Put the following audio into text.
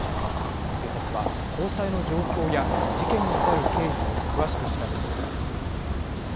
警察は、交際の状況や事件に至る経緯を詳しく調べています。